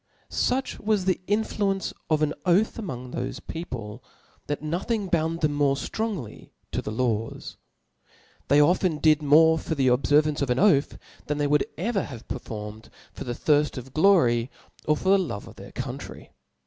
Such was the influence of an Oath among tho(e people, that nothing bound them ftronger to the laws. They often did niore for the obfcrvance of an oath, than they would ever have performed for the thirft of glory or for the love of heir country.